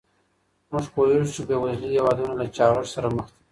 موږ پوهیږو چې بې وزلي هېوادونه له چاغښت سره مخ دي.